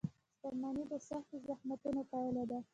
• شتمني د سختو زحمتونو پایله ده.